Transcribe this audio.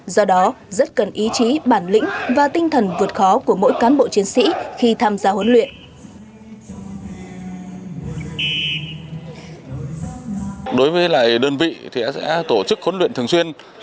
do đó rất cần ý chí bản lĩnh và tinh thần vượt khó của mỗi cán bộ chiến sĩ khi tham gia huấn luyện